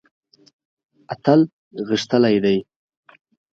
اتل غښتلی دی.